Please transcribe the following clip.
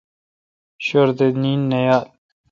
شوردے نین نہ یال۔